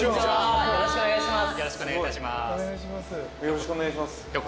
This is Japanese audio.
よろしくお願いします。